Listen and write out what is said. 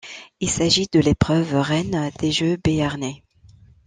Il s'agit de l'épreuve reine des jeux béarnais.